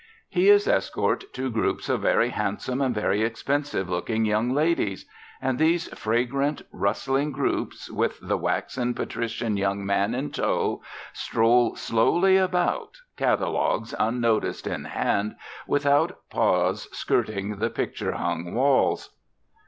He is escort to groups of very handsome and very expensive looking young ladies; and these fragrant, rustling groups, with the waxen, patrician young man in tow, stroll slowly about, catalogues unnoticed in hand, without pause skirting the picture hung walls.